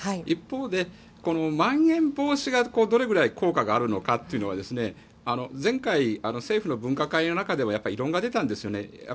一方で、まん延防止がどれくらい効果があるのかっていうのは前回、政府の分科会の中でも異論が出たんですよね。